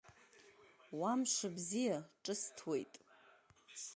Уа мшыбзиа, ҿысҭуеит…